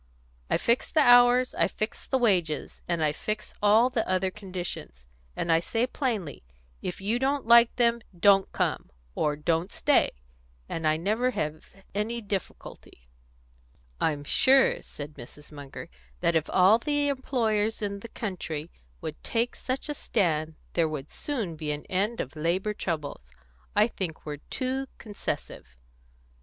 I fix the hours, and I fix the wages, and I fix all the other conditions, and I say plainly, 'If you don't like them, 'don't come,' or 'don't stay,' and I never have any difficulty." "I'm sure," said Mrs. Munger, "that if all the employers in the country would take such a stand, there would soon be an end of labour troubles. I think we're too concessive."